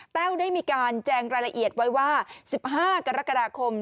ได้มีการแจงรายละเอียดไว้ว่า๑๕กรกฎาคม